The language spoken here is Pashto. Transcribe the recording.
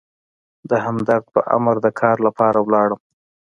د همدرد په امر د کار لپاره ولاړم.